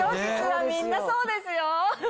実はみんなそうですよ。